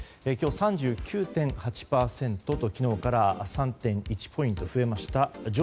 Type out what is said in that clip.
今日３９．８％と昨日から３．１ポイント増えました。